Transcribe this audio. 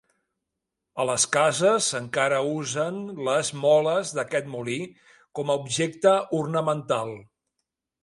A les cases encara usen les moles d'aquest molí com a objecte ornamental.